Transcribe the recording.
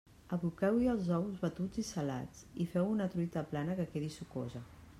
Aboqueu-hi els ous batuts i salats i feu una truita plana que quedi sucosa.